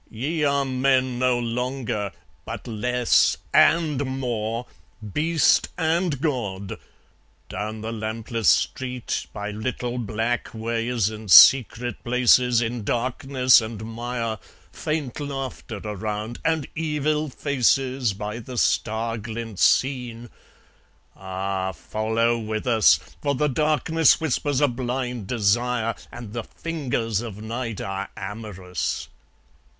Ye are men no longer, but less and more, Beast and God. ... Down the lampless street, By little black ways, and secret places, In the darkness and mire, Faint laughter around, and evil faces By the star glint seen ah! follow with us! For the darkness whispers a blind desire, And the fingers of night are amorous.